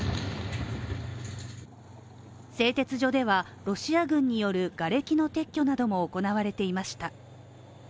製鉄所ではロシア軍によるがれきの撤去なども行われていました。